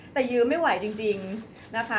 แต่ยืมไม่ไหวจริงนะคะ